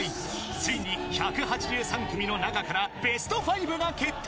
ついに１８３組の中からベスト５が決定］